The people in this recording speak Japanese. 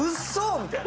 みたいな。